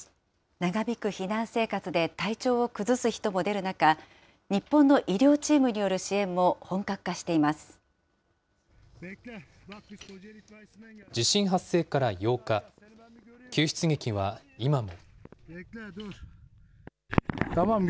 長引く避難生活で体調を崩す人も出る中、日本の医療チームに地震発生から８日、救出劇は今も。